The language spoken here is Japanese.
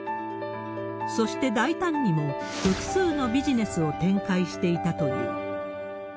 そして、大胆にも複数のビジネスを展開していたという。